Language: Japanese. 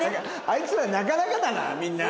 あいつらなかなかだなみんな。